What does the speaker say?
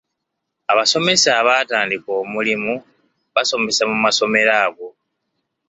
Abasomesa abaatandika omulimu basomesa mu masomero ago.